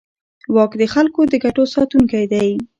واک د خلکو د ګټو ساتونکی دی.